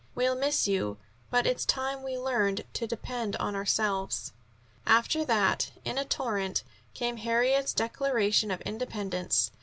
"We'll miss you, but it's time we learned to depend on ourselves." After that, in a torrent, came Harriet's declaration of independence.